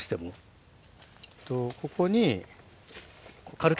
ここに。